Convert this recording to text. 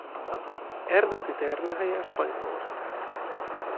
Eredeti termőhelye Spanyolország.